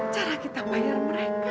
cara kita bayar mereka